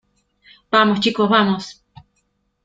vamos, chicos. vamos .